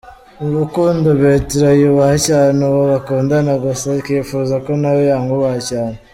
Mu rukundo, Bertrand yubaha cyane uwo bakundana gusa akifuza ko nawe yamwubaha cyane.